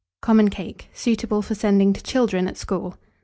COMMON CAKE, suitable for sending to Children at School.